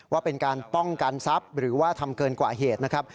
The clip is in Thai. ว่าเป็นการป้องกันทรัพย์หรือว่าทำเกินกว่าเหตุนะครับ